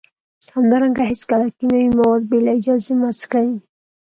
همدارنګه هیڅکله کیمیاوي مواد بې له اجازې مه څکئ